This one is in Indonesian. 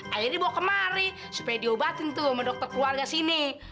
akhirnya dibawa kemari supaya diobatin tuh sama dokter keluarga sini